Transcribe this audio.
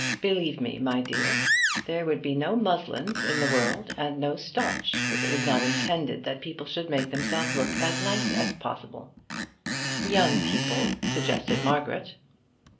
Believe me, my dear, there would be no muslins in the world and no starch, if it was not intended that people should make themselves look as nice as possible." "Young people," suggested Margaret.